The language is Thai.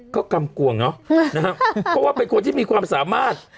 ก็กำกวงเนาะนะครับเพราะว่าเป็นคนที่มีความสามารถ